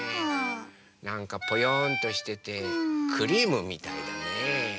なんかぽよんとしててクリームみたいだね。